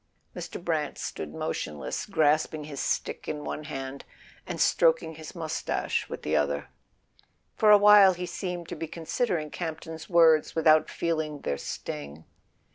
Mir. Brant stood motionless, grasping his stick in one hand and stroking his moustache with the other. For a while he seemed to be considering Campton's words without feeling their sting.